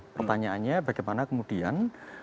pertanyaannya bagaimana kemudian